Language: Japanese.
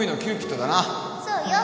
そうよ